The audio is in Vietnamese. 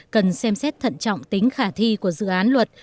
cần xem xét thận trọng tính khả thi của dự án luật